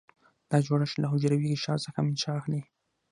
دا جوړښت له حجروي غشا څخه منشأ اخلي.